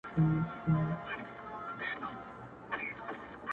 o جنگ دی سوله نه اكثر،